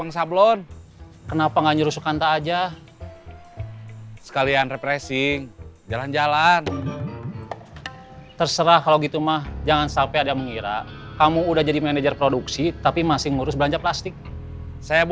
sampai jumpa di video selanjutnya